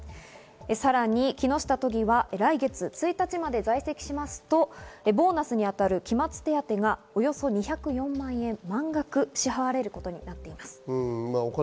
さらに木下都議は来月１日まで在籍しますとボーナスに当たる期末手当がおよそ２０４万円、満額支払われることになっています。